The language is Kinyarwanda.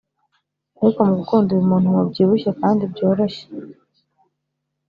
ariko mugukunda uyu muntu mubyibushye kandi byoroshye